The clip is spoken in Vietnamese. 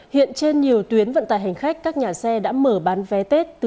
hiện trên nhiều tuyến vận tài hành khách các nhà xe đã mở bán vé tết